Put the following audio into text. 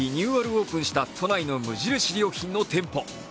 オープンした都内の無印良品の店舗。